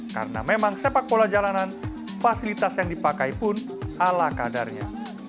karena memang sepak bola jalanan fasilitas yang dipakai pun ala kadarnya